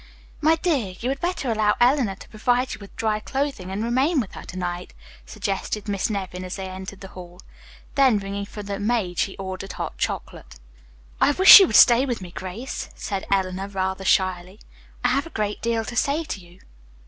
"My dear, you had better allow Eleanor to provide you with dry clothing and remain with her to night," suggested Miss Nevin as they entered the hall. Then ringing for the maid, she ordered hot chocolate. "I wish you would stay with me, Grace," said Eleanor rather shyly. "I have a great deal to say to you."